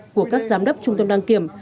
của các giám đốc trung tâm đăng kiểm